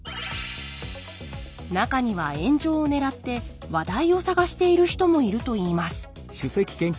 中には炎上をねらって話題を探している人もいるといいます